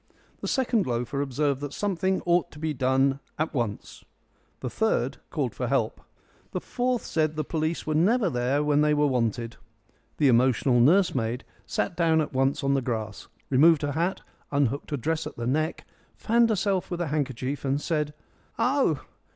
The second loafer observed that something ought to be done at once. The third called for help. The fourth said the police were never there when they were wanted. The emotional nursemaid sat down at once on the grass, removed her hat, unhooked her dress at the neck, fanned herself with a handkerchief, and said, "Oh!